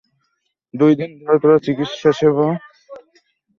দুই দিন ধরে তাঁরা চিকিৎসাসেবা থেকে বঞ্চিত হচ্ছেন বলে অভিযোগ পাওয়া গেছে।